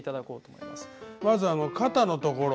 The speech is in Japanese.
まずあの肩のところ。